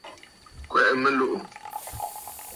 Kwɛ̀ʼɛ mɨlùʼù.